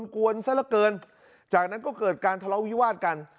น้ำมือกวรนส้นเกินจากนั้นก็เกิดการทะเลาะวิวาดกัน